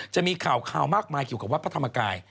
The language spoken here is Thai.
จะมีข่าวมากมายเกี่ยวกับวัดพระธรรมกาย